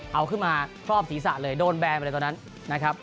เอาขึ้นมาครอบศีรษะเลยโดนแบนไปเลยตอนนั้นนะครับ